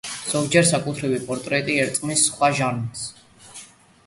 ზოგჯერ საკუთრივ პორტრეტი ერწყმის სხვა ჟანრს.